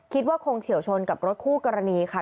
คิดว่าคงเฉียวชนกับรถคู่กรณีค่ะ